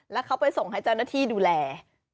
แล้วเขาไปส่งให้เจ้าหน้าที่ดูแล